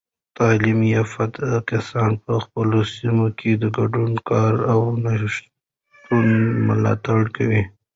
تعلیم یافته کسان په خپلو سیمو کې د ګډ کار او نوښتونو ملاتړ کوي.